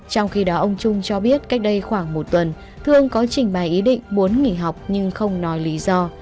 trong khi đó ông trung cho biết cách đây khoảng một tuần thương có trình bày ý định muốn nghỉ học nhưng không nói lý do